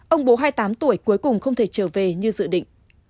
ông bố hai mươi tám tuổi cuối cùng không thể trở về như dự định